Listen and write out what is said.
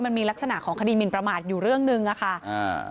มันมีลักษณะของคดีหมินประมาทอยู่เรื่องหนึ่งอ่ะค่ะอ่า